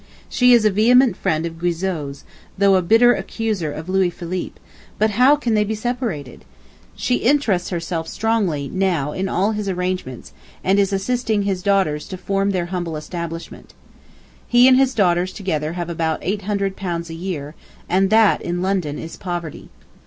She is a vehement friend of Guizot's, though a bitter accuser of Louis Philippe, but how can they be separated? She interests herself strongly now in all his arrangements, and is assisting his daughters to form their humble establishment. He and his daughters together have about eight hundred pounds a year, and that in London is poverty.